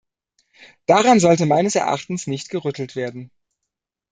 Daran sollte meines Erachtens nicht gerüttelt werden.